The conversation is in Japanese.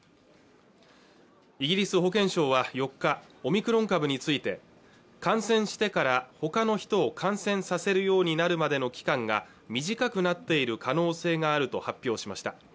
イギリス保健省は４日オミクロン株について感染してからほかの人を感染させるようになるまでの期間が短くなっている可能性があると発表しました